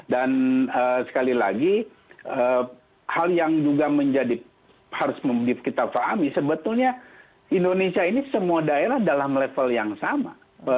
dan sekali lagi hal yang juga menjadi harus kita pahami sebetulnya indonesia ini semua daerah dalam level yang sama